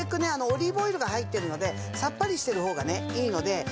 オリーブオイルが入ってるのでさっぱりしてる方がいいので。